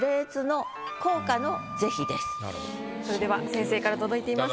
それでは先生から届いています。